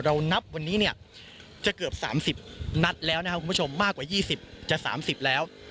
เรานับวันนี้เนี่ยจะเกือบสามสิบนัดแล้วนะครับคุณผู้ชมมากกว่ายี่สิบจะสามสิบแล้ว